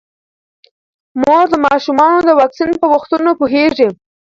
مور د ماشومانو د واکسین په وختونو پوهیږي.